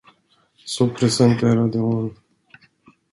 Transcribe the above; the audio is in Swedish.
Så presenterade hon.